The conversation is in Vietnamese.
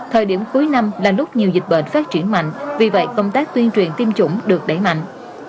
thời điểm cuối năm là lúc nhiều dịch bệnh phát triển mạnh vì vậy công tác tuyên truyền tiêm chủng được đẩy mạnh